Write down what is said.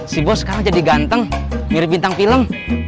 si bo sekarang jadi ganteng mirip bintang film